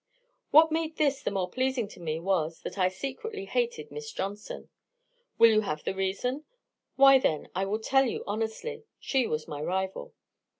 "What made this the more pleasing to me was, that I secretly hated Miss Johnson. Will you have the reason? why, then, I will tell you honestly, she was my rival.